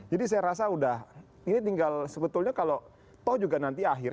jadi saya rasa udah ini tinggal sebetulnya kalau toh juga nanti akhir